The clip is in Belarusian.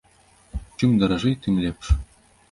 Чым даражэй, тым лепш.